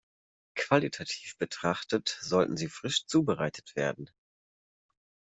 Qualitativ betrachtet, sollten sie frisch zubereitet werden.